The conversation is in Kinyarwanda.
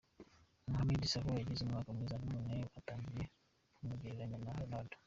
Mohamed Salah yagize umwaka mwiza none batangiye kumugereranya na Ronaldo.